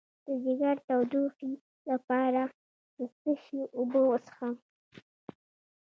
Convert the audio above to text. د ځیګر د تودوخې لپاره د څه شي اوبه وڅښم؟